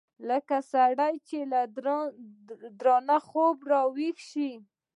لکه سړى چې له درانه خوبه راويښ سي.